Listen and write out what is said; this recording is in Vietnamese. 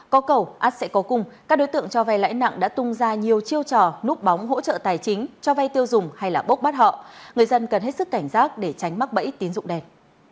có cầu át sẽ có cung các đối tượng cho vay lãi nặng đã tung ra nhiều chiêu trò núp bóng hỗ trợ tài chính cho vay tiêu dùng hay là bốc bắt họ người dân cần hết sức cảnh giác để tránh mắc bẫy tín dụng đen